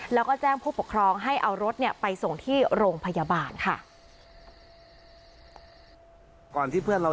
แล้วก็แจ้งผู้ปกครองให้เอารถเนี่ยไปส่งที่โรงพยาบาลค่ะ